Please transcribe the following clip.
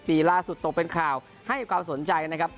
ปีล่าสุดตกเป็นข่าวให้ความสนใจนะครับ